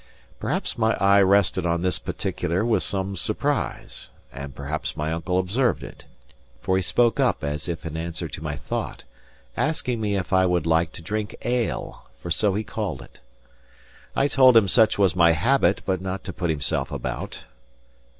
Perhaps my eye rested on this particular with some surprise, and perhaps my uncle observed it; for he spoke up as if in answer to my thought, asking me if I would like to drink ale for so he called it. I told him such was my habit, but not to put himself about.